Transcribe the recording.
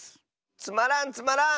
つまらんつまらん！